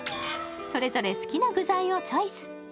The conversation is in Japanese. それぞれ好きな具材をチョイス。